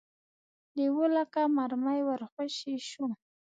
لېوه لکه مرمۍ ور خوشې شو.